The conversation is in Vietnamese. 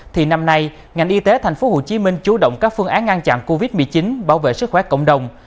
thì năm nay ngành y tế thành phố hồ chí minh chú động các phương án ngăn chặn covid một mươi chín bảo vệ sức khỏe cộng đồng